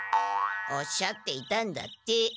おっしゃっていたんだって。